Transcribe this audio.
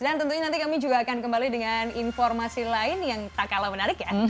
dan tentunya nanti kami juga akan kembali dengan informasi lain yang tak kalah menarik ya